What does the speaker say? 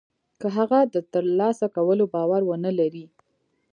که هغه د تر لاسه کولو باور و نه لري.